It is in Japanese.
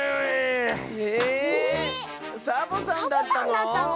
ええっサボさんだったの⁉